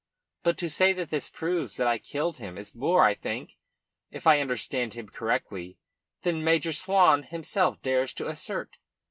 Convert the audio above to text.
But to say that this proves that I killed him is more, I think, if I understood him correctly, than Major Swan himself dares to assert.